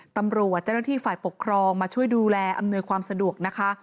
ตำรวจเจ้าหน้าที่ฝ่ายปกครองมาช่วยดูแลอำนวยความสะดวกนะคะ